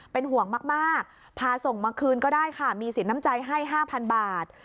เป็นห่วงมากพาส่งมาคืนก็ได้ค่ะมีสินน้ำใจให้๕๐๐บาท